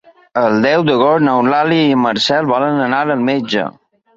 El deu d'agost n'Eulàlia i en Marcel volen anar al metge.